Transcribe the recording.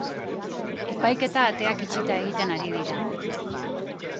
Epaiketa ateak itxita egiten ari dira.